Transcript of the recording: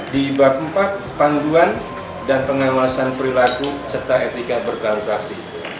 di bab empat panduan dan pengawasan perilaku serta etika bertransaksi